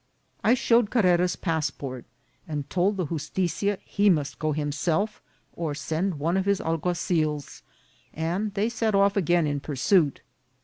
I showed Carrera's passport, and told the justitia he must go him self, or send one of his alguazils, and they set off again in pursuit.